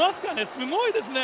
すごいですね。